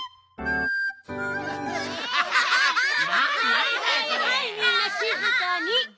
はいはいはいみんなしずかに。